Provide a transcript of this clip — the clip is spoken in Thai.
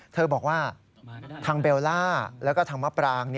เธอบอกว่าทางเบลล่าแล้วก็ทางมะปราง